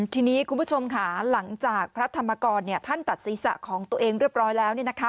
ทีนี้คุณผู้ชมค่ะหลังจากพระธรรมกรท่านตัดศีรษะของตัวเองเรียบร้อยแล้ว